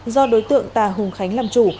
do đối tượng tà hùng khánh làm chủ